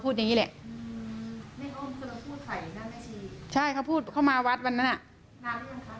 พูดไหนนะแม่ชีใช่เขาพูดเข้ามาวัดวันนั้นอ่ะนานหรือเปล่า